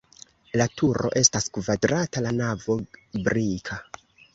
La turo estas kvadrata, la navo brika.